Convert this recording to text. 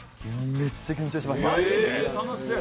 めっちゃ緊張しました。